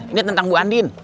ini tentang bu andin